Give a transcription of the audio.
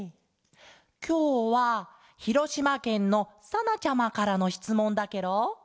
きょうはひろしまけんのさなちゃまからのしつもんだケロ。